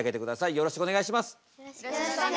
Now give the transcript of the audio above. よろしくお願いします。